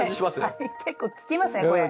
結構効きますねこれ。